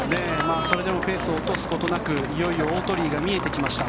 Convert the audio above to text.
それでもペースを落とすことなくいよいよ大鳥居が見えてきました。